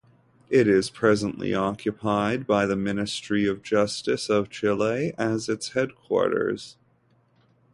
It presently is occupied by the Ministry of Justice of Chile as its headquarters.